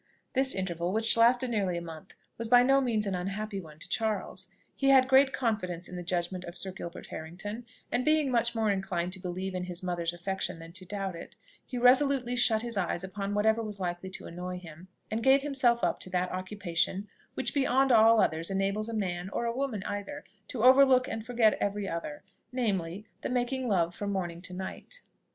This interval, which lasted nearly a month, was by no means an unhappy one to Charles. He had great confidence in the judgment of Sir Gilbert Harrington, and being much more inclined to believe in his mother's affection than to doubt it, he resolutely shut his eyes upon whatever was likely to annoy him, and gave himself up to that occupation which beyond all others enables a man, or a woman either, to overlook and forget every other, namely, the making love from morning to night.